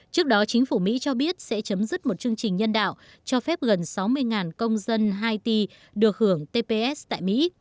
trước đó chính phủ mỹ cho biết sẽ chấm dứt một chương trình nhân đạo cho phép gần sáu mươi công dân haiti được hưởng tp hcm tại mỹ